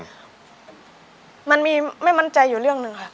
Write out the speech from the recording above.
เรื่องดีไม่มั่นใจอยู่ให้เรื่องนเป็นไป